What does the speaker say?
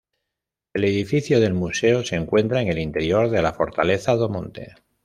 El edificio del museo se encuentra en el interior de la Fortaleza do Monte.